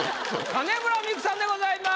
金村美玖さんでございます。